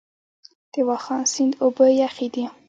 د واخان سیند اوبه یخې دي؟